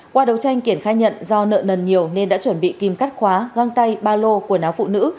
qua đấu tranh kiển khai nhận do nợ nần nhiều nên đã chuẩn bị kim cắt khóa găng tay ba lô quần áo phụ nữ